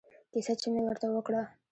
کيسه چې مې ورته وکړه.